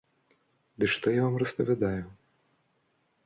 Ды што я вам распавядаю?